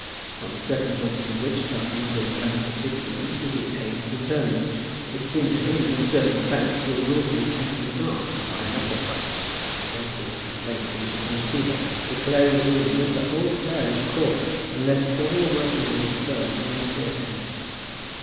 From circumstances of which Dalrymple learned the particulars with the aid of an attorney, it seemed to him that certain facts were wilfully kept in the dark by Musselboro, and he went with his complaint to Mrs. Van Siever, declaring that he would bring the whole affair into court, unless all the workings of the firm were made clear to him.